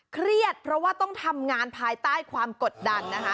เครียดเพราะว่าต้องทำงานภายใต้ความกดดันนะคะ